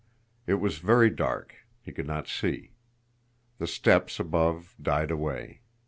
It was very dark he could not see. The steps above died away.